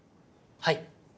はい。